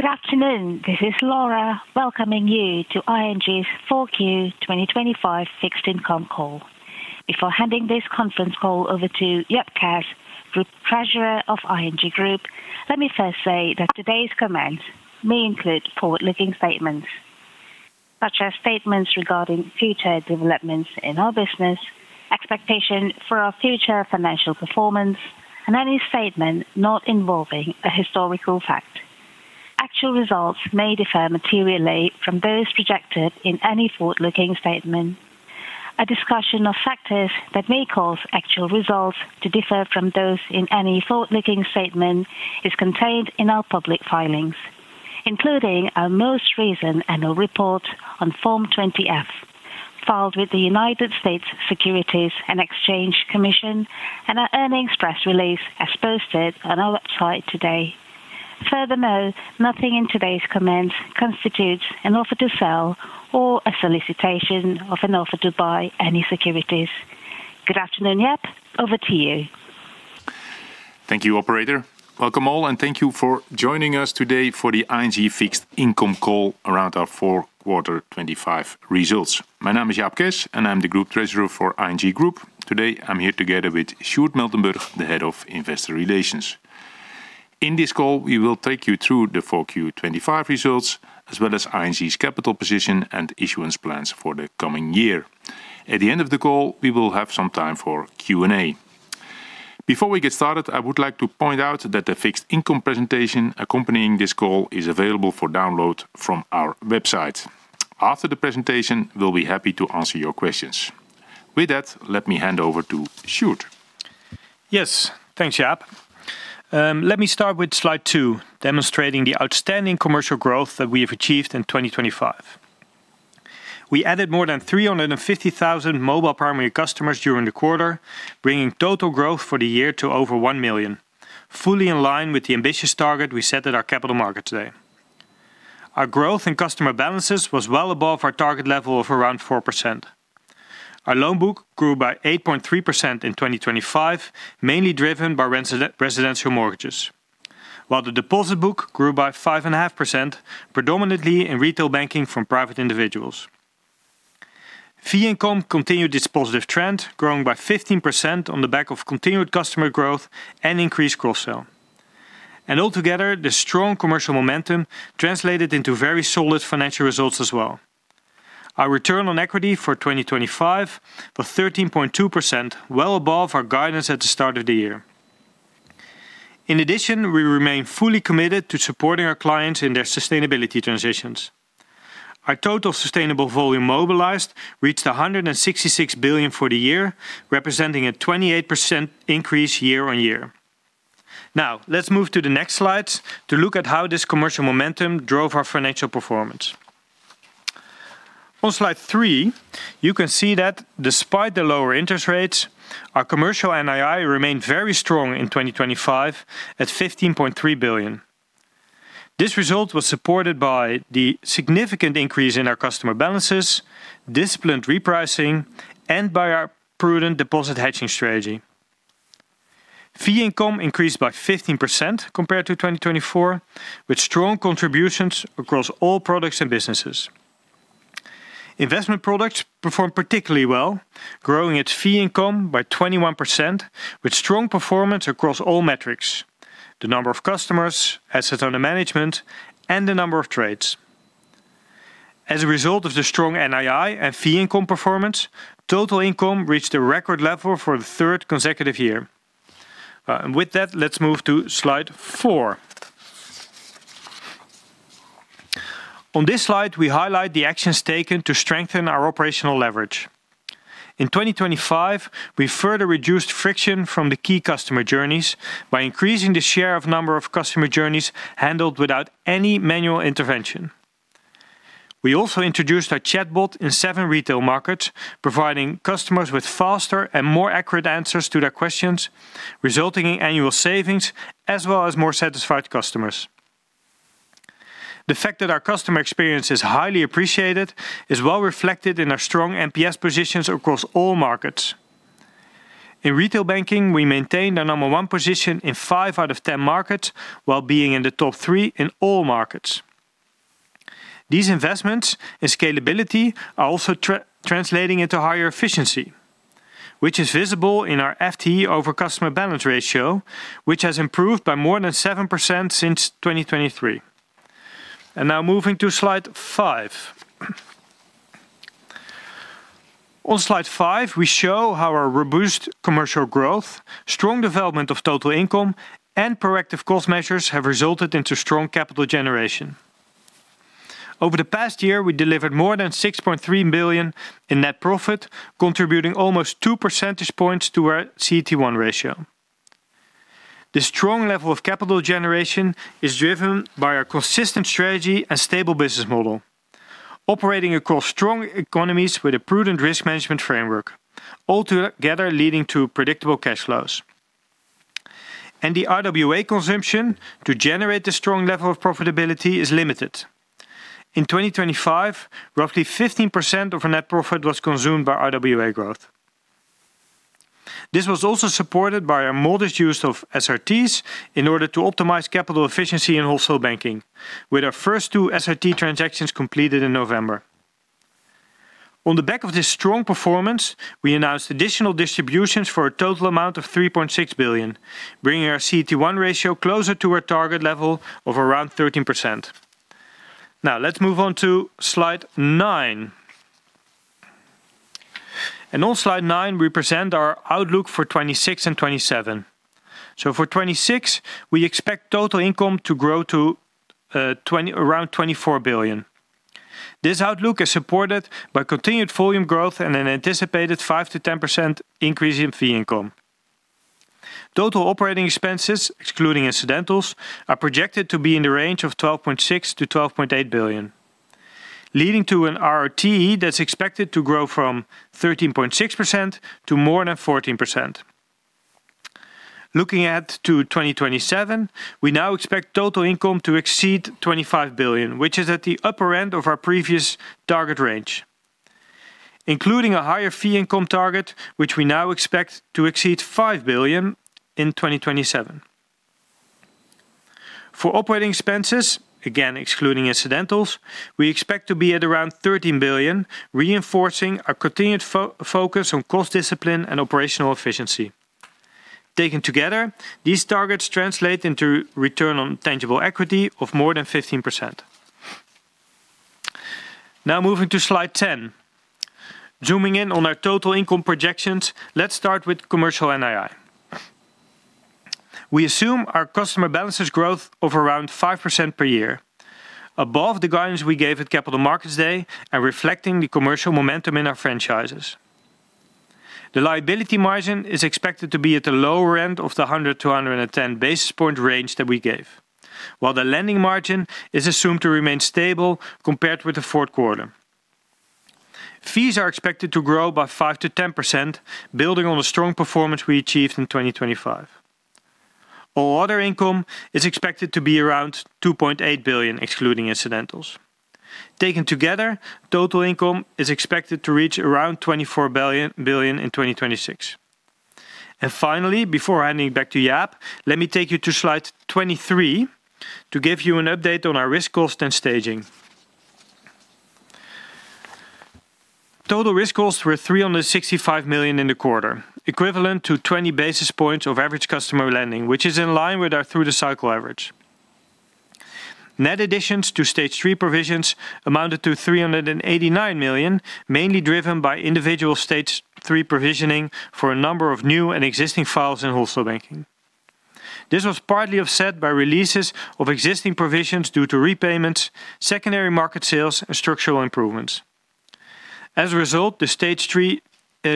Good afternoon. This is Laura, welcoming you to ING's 4Q 2025 fixed income call. Before handing this conference call over to Jaap Kes, Group Treasurer of ING Group, let me first say that today's comments may include forward-looking statements, such as statements regarding future developments in our business, expectation for our future financial performance, and any statement not involving a historical fact. Actual results may differ materially from those projected in any forward-looking statement. A discussion of factors that may cause actual results to differ from those in any forward-looking statement is contained in our public filings, including our most recent annual report on Form 20-F, filed with the United States Securities and Exchange Commission and our earnings press release, as posted on our website today. Furthermore, nothing in today's comments constitutes an offer to sell or a solicitation of an offer to buy any securities. Good afternoon, Jaap, over to you. Thank you, operator. Welcome, all, and thank you for joining us today for the ING Fixed Income call around our fourth quarter 2025 results. My name is Jaap Kes, and I'm the Group Treasurer for ING Group. Today, I'm here together with Sjoerd Miltenburg, the Head of Investor Relations. In this call, we will take you through the Q4 2025 results, as well as ING's capital position and issuance plans for the coming year. At the end of the call, we will have some time for Q&A. Before we get started, I would like to point out that the fixed income presentation accompanying this call is available for download from our website. After the presentation, we'll be happy to answer your questions. With that, let me hand over to Sjoerd. Yes. Thanks, Jaap. Let me start with slide 2, demonstrating the outstanding commercial growth that we have achieved in 2025. We added more than 350,000 Mobile Primary Customers during the quarter, bringing total growth for the year to over 1 million, fully in line with the ambitious target we set at our Capital Markets Day. Our growth in customer balances was well above our target level of around 4%. Our loan book grew by 8.3% in 2025, mainly driven by Residential Mortgages, while the deposit book grew by 5.5%, predominantly in retail banking from private individuals. Fee income continued its positive trend, growing by 15% on the back of continued customer growth and increased cross-sell. And altogether, the strong commercial momentum translated into very solid financial results as well. Our return on equity for 2025 was 13.2%, well above our guidance at the start of the year. In addition, we remain fully committed to supporting our clients in their sustainability transitions. Our total sustainable volume mobilized reached 166 billion for the year, representing a 28% increase year-on-year. Now, let's move to the next slide to look at how this commercial momentum drove our financial performance. On slide 3, you can see that despite the lower interest rates, our commercial NII remained very strong in 2025 at 15.3 billion. This result was supported by the significant increase in our customer balances, disciplined repricing, and by our prudent deposit hedging strategy. Fee income increased by 15% compared to 2024, with strong contributions across all products and businesses. Investment products performed particularly well, growing its fee income by 21%, with strong performance across all metrics: the number of customers, assets under management, and the number of trades. As a result of the strong NII and fee income performance, total income reached a record level for the third consecutive year. With that, let's move to slide 4. On this slide, we highlight the actions taken to strengthen our operational leverage. In 2025, we further reduced friction from the key customer journeys by increasing the share of number of customer journeys handled without any manual intervention. We also introduced our chatbot in 7 retail markets, providing customers with faster and more accurate answers to their questions, resulting in annual savings, as well as more satisfied customers. The fact that our customer experience is highly appreciated is well reflected in our strong NPS positions across all markets. In retail banking, we maintained our number one position in 5 out of 10 markets, while being in the top three in all markets. These investments and scalability are also translating into higher efficiency, which is visible in our FTE over customer balance ratio, which has improved by more than 7% since 2023. And now moving to slide 5. On slide 5, we show how our robust commercial growth, strong development of total income, and proactive cost measures have resulted into strong capital generation. Over the past year, we delivered more than 6.3 billion in net profit, contributing almost two percentage points to our CET1 ratio. The strong level of capital generation is driven by our consistent strategy and stable business model, operating across strong economies with a prudent risk management framework, all together leading to predictable cash flows. The RWA consumption to generate the strong level of profitability is limited. In 2025, roughly 15% of our net profit was consumed by RWA growth.... This was also supported by a modest use of SRTs in order to optimize capital efficiency in Wholesale Banking, with our first two SRT transactions completed in November. On the back of this strong performance, we announced additional distributions for a total amount of 3.6 billion, bringing our CET1 ratio closer to our target level of around 13%. Now, let's move on to slide 9. On slide 9, we present our outlook for 2026 and 2027. For 2026, we expect total income to grow to around 24 billion. This outlook is supported by continued volume growth and an anticipated 5%-10% increase in fee income. Total operating expenses, excluding incidentals, are projected to be in the range of 12.6 billion-12.8 billion, leading to an ROTE that's expected to grow from 13.6% to more than 14%. Looking at to 2027, we now expect total income to exceed 25 billion, which is at the upper end of our previous target range, including a higher fee income target, which we now expect to exceed 5 billion in 2027. For operating expenses, again, excluding incidentals, we expect to be at around 13 billion, reinforcing our continued focus on cost discipline and operational efficiency. Taken together, these targets translate into return on tangible equity of more than 15%. Now, moving to slide 10. Zooming in on our total income projections, let's start with commercial NII. We assume our customer balances growth of around 5% per year, above the guidance we gave at Capital Markets Day and reflecting the commercial momentum in our franchises. The liability margin is expected to be at the lower end of the 100- to 110-basis point range that we gave, while the lending margin is assumed to remain stable compared with the fourth quarter. Fees are expected to grow by 5%-10%, building on the strong performance we achieved in 2025. All other income is expected to be around 2.8 billion, excluding incidentals. Taken together, total income is expected to reach around 24 billion in 2026. Finally, before handing back to Jaap, let me take you to slide 23 to give you an update on our risk cost and staging. Total risk costs were 365 million in the quarter, equivalent to 20 basis points of average customer lending, which is in line with our through-the-cycle average. Net additions to Stage Three provisions amounted to 389 million, mainly driven by individual Stage Three provisioning for a number of new and existing files in Wholesale Banking. This was partly offset by releases of existing provisions due to repayments, secondary market sales, and structural improvements. As a result, the Stage Three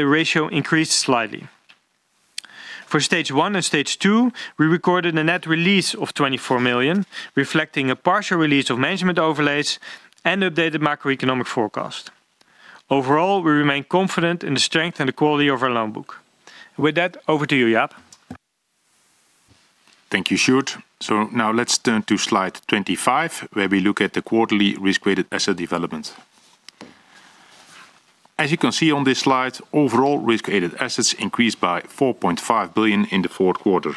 ratio increased slightly. For Stage One and Stage Two, we recorded a net release of 24 million, reflecting a partial release of management overlays and updated macroeconomic forecast. Overall, we remain confident in the strength and the quality of our loan book. With that, over to you, Jaap. Thank you, Sjoerd. So now let's turn to slide 25, where we look at the quarterly risk-weighted asset development. As you can see on this slide, overall risk-weighted assets increased by 4.5 billion in the fourth quarter.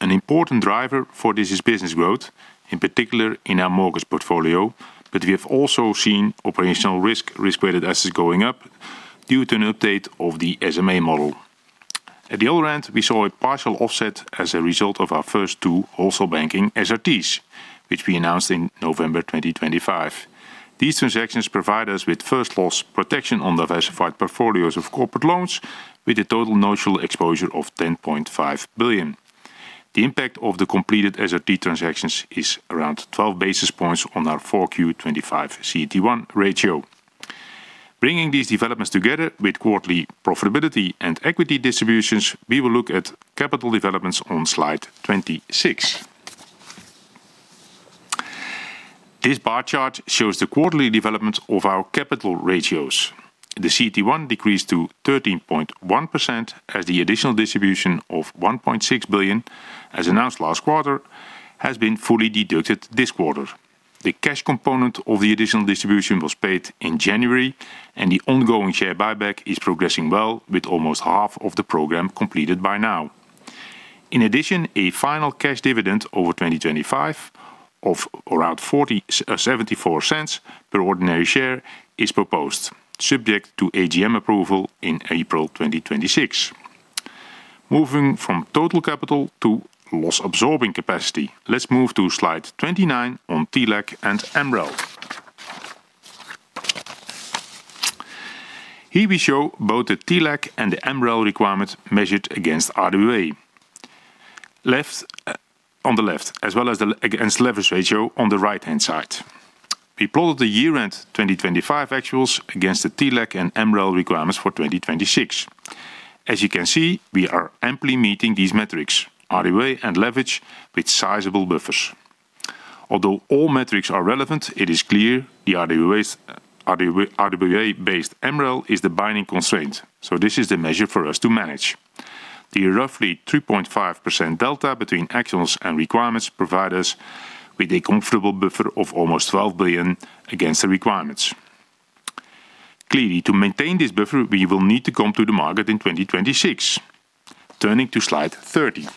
An important driver for this is business growth, in particular in our mortgage portfolio, but we have also seen operational risk, risk-weighted assets going up due to an update of the SMA model. At the other end, we saw a partial offset as a result of our first two Wholesale Banking SRTs, which we announced in November 2025. These transactions provide us with first loss protection on diversified portfolios of corporate loans, with a total notional exposure of 10.5 billion. The impact of the completed SRT transactions is around 12 basis points on our Q4 2025 CET1 ratio. Bringing these developments together with quarterly profitability and equity distributions, we will look at capital developments on slide 26. This bar chart shows the quarterly development of our capital ratios. The CET1 decreased to 13.1%, as the additional distribution of 1.6 billion, as announced last quarter, has been fully deducted this quarter. The cash component of the additional distribution was paid in January, and the ongoing share buyback is progressing well, with almost half of the program completed by now. In addition, a final cash dividend over 2025 of around 74 cents per ordinary share is proposed, subject to AGM approval in April 2026. Moving from total capital to loss-absorbing capacity, let's move to slide 29 on TLAC and MREL. Here we show both the TLAC and the MREL requirements measured against RWA. Left, on the left, as well as the leverage ratio on the right-hand side. We plotted the year-end 2025 actuals against the TLAC and MREL requirements for 2026. As you can see, we are amply meeting these metrics, RWA and leverage, with sizable buffers. Although all metrics are relevant, it is clear the RWAs, RWA, RWA-based MREL is the binding constraint, so this is the measure for us to manage. The roughly 2.5% delta between actuals and requirements provide us with a comfortable buffer of almost 12 billion against the requirements... Clearly, to maintain this buffer, we will need to come to the market in 2026. Turning to slide 30.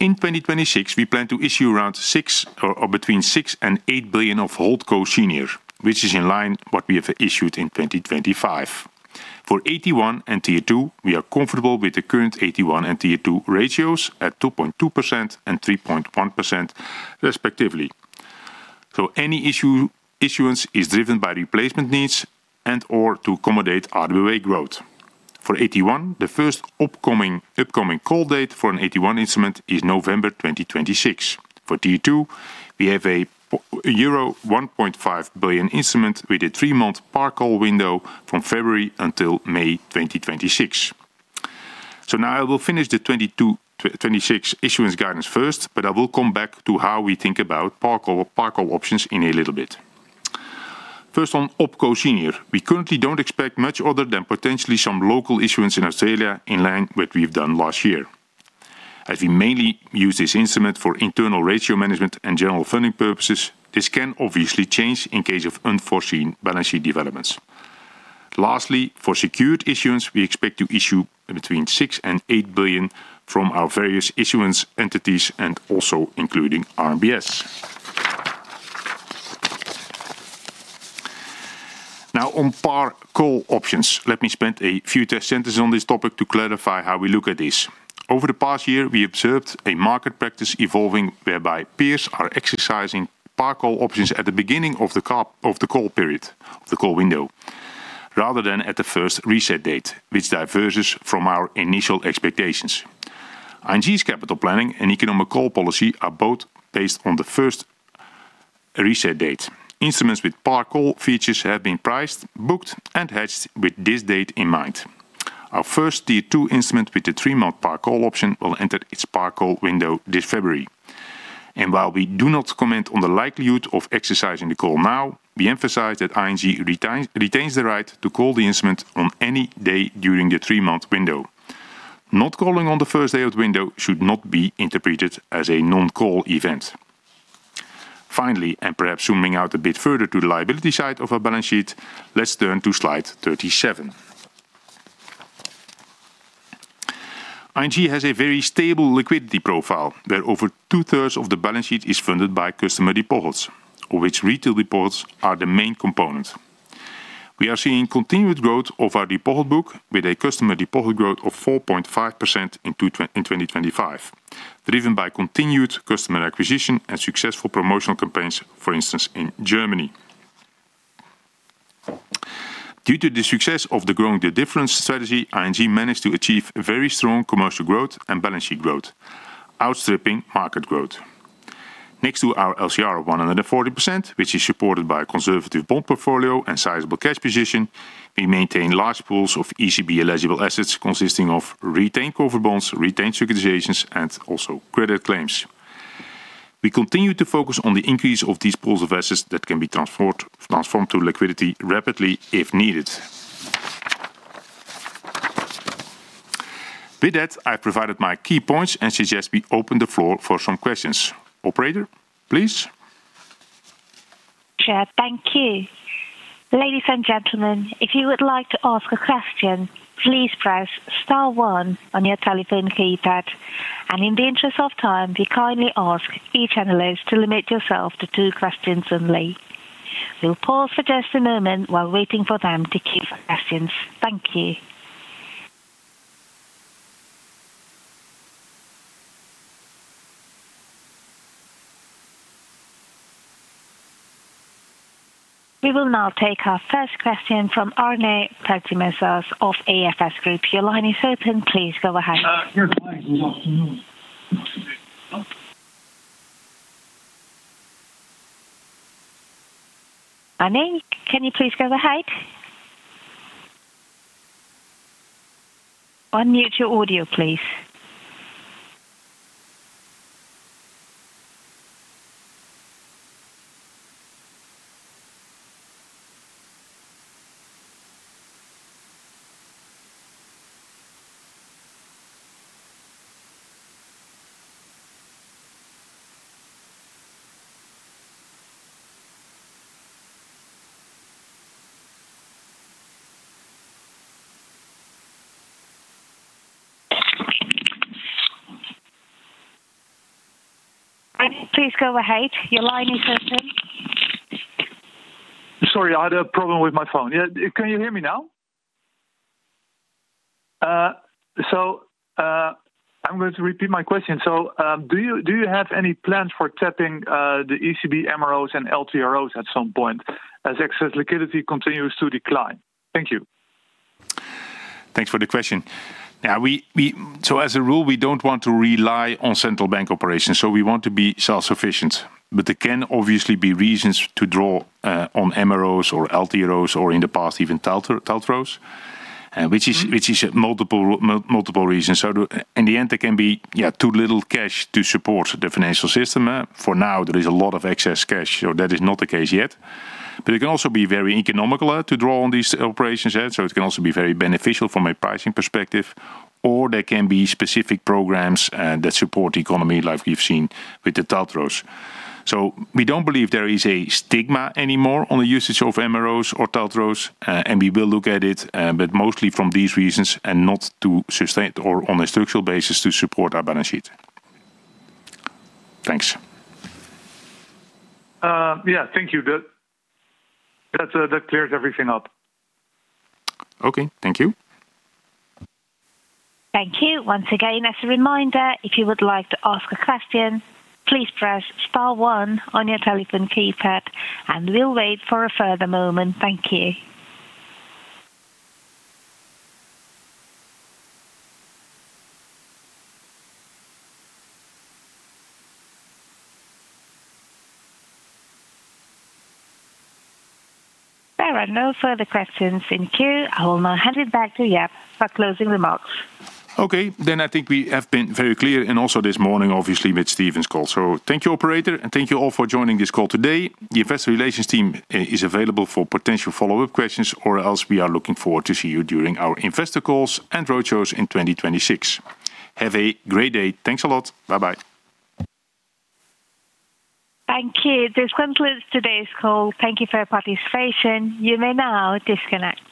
In 2026, we plan to issue around six or, or between 6 billion and 8 billion of Holdco Senior, which is in line what we have issued in 2025. For AT1 and Tier 2, we are comfortable with the current AT1 and Tier 2 ratios at 2.2% and 3.1%, respectively. So any issuance is driven by replacement needs and, or to accommodate RWA growth. For AT1, the first upcoming call date for an AT1 instrument is November 2026. For Tier 2, we have a euro 1.5 billion instrument with a three-month par call window from February until May 2026. So now I will finish the 2026 issuance guidance first, but I will come back to how we think about par call, par call options in a little bit. First, on Opco senior. We currently don't expect much other than potentially some local issuance in Australia, in line with we've done last year. As we mainly use this instrument for internal ratio management and general funding purposes, this can obviously change in case of unforeseen balance sheet developments. Lastly, for secured issuance, we expect to issue between 6 billion and 8 billion from our various issuance entities and also including RMBS. Now, on par call options, let me spend a few test sentences on this topic to clarify how we look at this. Over the past year, we observed a market practice evolving, whereby peers are exercising par call options at the beginning of the call period, of the call window, rather than at the first reset date, which diverges from our initial expectations. ING's capital planning and economic call policy are both based on the first reset date. Instruments with par call features have been priced, booked, and hedged with this date in mind. Our first Tier 2 instrument with the three-month par call option will enter its par call window this February. While we do not comment on the likelihood of exercising the call now, we emphasize that ING retains the right to call the instrument on any day during the three-month window. Not calling on the first day of the window should not be interpreted as a non-call event. Finally, and perhaps zooming out a bit further to the liability side of our balance sheet, let's turn to slide 37. ING has a very stable liquidity profile, where over two-thirds of the balance sheet is funded by customer deposits, of which retail deposits are the main component. We are seeing continued growth of our deposit book with a customer deposit growth of 4.5% in 2025, driven by continued customer acquisition and successful promotional campaigns, for instance, in Germany. Due to the success of the Growing the Difference strategy, ING managed to achieve very strong commercial growth and balance sheet growth, outstripping market growth. Next to our LCR of 140%, which is supported by a conservative bond portfolio and sizable cash position, we maintain large pools of ECB-eligible assets, consisting of retained cover bonds, retained securitizations, and also credit claims. We continue to focus on the increase of these pools of assets that can be transformed to liquidity rapidly, if needed. With that, I've provided my key points and suggest we open the floor for some questions. Operator, please? Sure, thank you. Ladies and gentlemen, if you would like to ask a question, please press star one on your telephone keypad. In the interest of time, we kindly ask each analyst to limit yourself to two questions only. We'll pause for just a moment while waiting for them to queue for questions. Thank you. We will now take our first question from Arne Petimezas of AFS Group. Your line is open. Please go ahead. Good morning. Arne, can you please go ahead? Unmute your audio, please. Arne, please go ahead. Your line is open. Sorry, I had a problem with my phone. Yeah, can you hear me now? So, I'm going to repeat my question. So, do you, do you have any plans for tapping the ECB, MROs, and LTROs at some point as excess liquidity continues to decline? Thank you. Thanks for the question. Now, we so as a rule, we don't want to rely on central bank operations, so we want to be self-sufficient. But there can obviously be reasons to draw on MROs or LTROs, or in the past, even TLTRO, TLTROs, which is multiple reasons. In the end, there can be, yeah, too little cash to support the financial system. For now, there is a lot of excess cash, so that is not the case yet. But it can also be very economical to draw on these operations, yeah, so it can also be very beneficial from a pricing perspective, or there can be specific programs that support the economy, like we've seen with the TLTROs. So we don't believe there is a stigma anymore on the usage of MROs or TLTROs, and we will look at it, but mostly from these reasons, and not to sustain or on a structural basis to support our balance sheet. Thanks. Yeah, thank you. That, that clears everything up. Okay, thank you. Thank you. Once again, as a reminder, if you would like to ask a question, please press star one on your telephone keypad, and we'll wait for a further moment. Thank you. There are no further questions in queue. I will now hand it back to Jaap for closing remarks. Okay, then I think we have been very clear and also this morning, obviously, with Steven's call. So thank you, operator, and thank you all for joining this call today. The investor relations team is available for potential follow-up questions, or else we are looking forward to see you during our investor calls and roadshows in 2026. Have a great day. Thanks a lot. Bye-bye. Thank you. This concludes today's call. Thank you for your participation. You may now disconnect.